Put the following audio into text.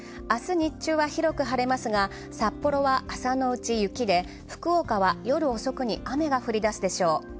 明日、日中は広く晴れますが札幌は朝のうち雪で福岡は夜遅くに雨が降り出すでしょう。